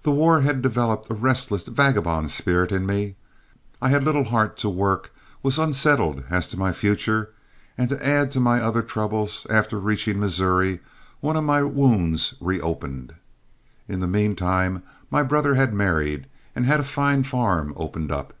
The war had developed a restless, vagabond spirit in me. I had little heart to work, was unsettled as to my future, and, to add to my other troubles, after reaching Missouri one of my wounds reopened. In the mean time my brother had married, and had a fine farm opened up.